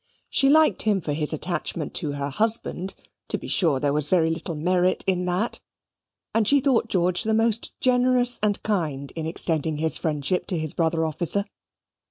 She liked him for his attachment to her husband (to be sure there was very little merit in that), and she thought George was most generous and kind in extending his friendship to his brother officer.